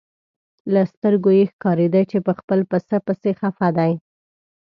له سترګو یې ښکارېده چې په خپل پسه پسې خپه دی.